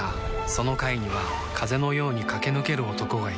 その階には風のように駆け抜ける男がいた